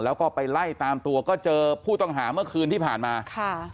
แล้วก็ไปไล่ตามตัวก็เจอผู้ต้องหาเมื่อคืนที่ผ่านมาค่ะ